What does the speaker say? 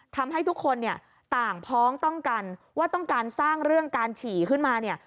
ทำให้ทุกคนเนี่ยต่างพ้องต้องกันว่าต้องการสร้างเรื่องการฉี่ขึ้นมาเนี่ย